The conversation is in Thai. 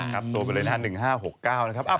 โทรไปเลย๑๕๖๙นะครับ